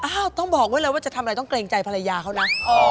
ต้องบอกไว้เลยว่าจะทำอะไรต้องเกรงใจภรรยาเขานะ